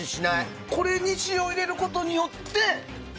これに塩を入れることによって。